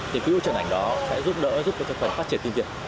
thì quỹ hỗ trợ ngành đó sẽ giúp đỡ giúp cho phần phát triển phim việt